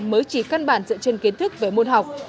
mới chỉ căn bản dựa trên kiến thức về môn học